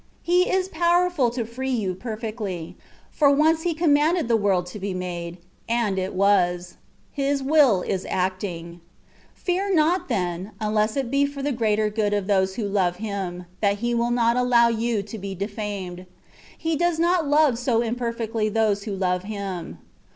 He is powerful to free you perfectly, for once He commanded the world to be made, and it was made: His willing is acting. Fear not, then, unless it be for the greater good of those who love Him, that he will not allow you to be defamed : He does not love so imperfectly those who love Him.